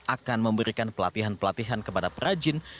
akan memberikan pelatihan pelatihan kepada perajin